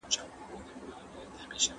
په وينو خـپـله كړله